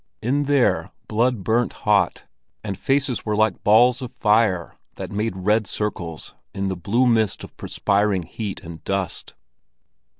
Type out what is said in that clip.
In there blood burnt hot, and faces were like balls of fire that made red circles in the blue mist of perspiring heat and dust.